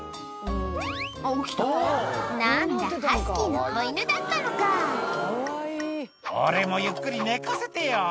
あっ起きた何だハスキーの子犬だったのか「俺もゆっくり寝かせてよ」